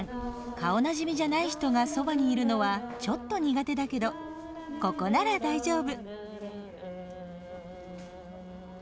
顔なじみじゃない人がそばにいるのはちょっと苦手だけどここなら大丈夫！